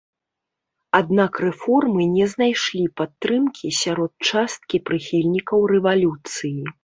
Аднак рэформы не знайшлі падтрымкі сярод часткі прыхільнікаў рэвалюцыі.